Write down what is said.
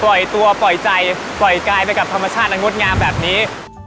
ปล่อยตัวปล่อยใจปล่อยกายไปกับธรรมชาติอันงดงามแบบนี้